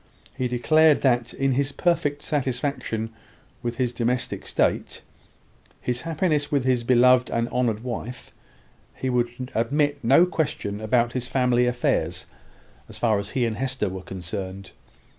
He declared that, in his perfect satisfaction with his domestic state, his happiness with his beloved and honoured wife, he would admit of no question about his family affairs, as far as he and Hester were concerned.